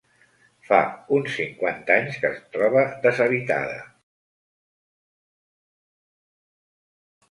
Fa uns cinquanta anys que es troba deshabitada.